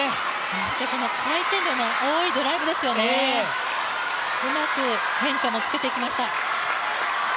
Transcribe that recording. そしてこの回転量の多いドライブですよね、うまく変化もつけてきました。